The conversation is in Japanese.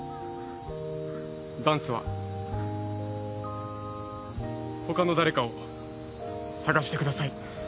ダンスは他の誰かを探してください。